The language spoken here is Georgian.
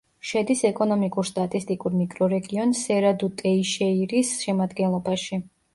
შედის ეკონომიკურ-სტატისტიკურ მიკრორეგიონ სერა-დუ-ტეიშეირის შემადგენლობაში.